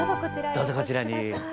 どうぞこちらに。